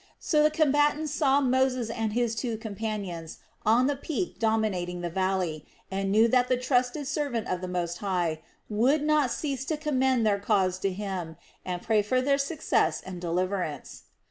So the combatants saw Moses and his two companions on the peak dominating the valley, and knew that the trusted servant of the Most High would not cease to commend their cause to Him and pray for their success and deliverance.